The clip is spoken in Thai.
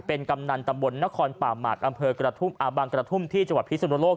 เป็นกำนันตำบลนครปาหมัดอำเภอกระทุ่มอาบังกระทุ่มที่จังหวัดพิษภัณฑ์โลก